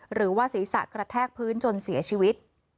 หรือว่าศีรษะกระแทกพื้นจนเสียชีวิต